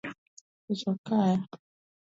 Kech ok kaya